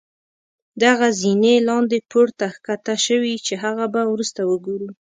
دغه زينې لاندې پوړ ته ښکته شوي چې هغه به وروسته وګورو.